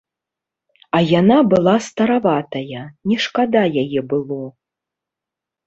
А яна была стараватая, не шкада яе было.